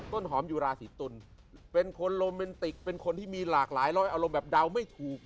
ต้นหอมอยู่ราศีตุลเป็นคนโรแมนติกเป็นคนที่มีหลากหลายร้อยอารมณ์แบบเดาไม่ถูก